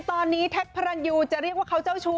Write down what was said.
ตอนนี้แท็กพระรันยูจะเรียกว่าเขาเจ้าชู้